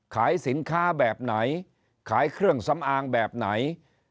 ขายสินค้าแบบไหนขายเครื่องสำอางแบบไหน